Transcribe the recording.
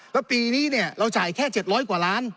แล้วปีนี้เราจ่ายแค่๗๐๐กว่าล้าน